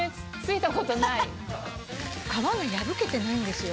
皮が破けてないんですよ。